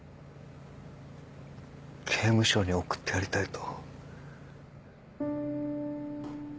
刑務所に送ってやりたいと。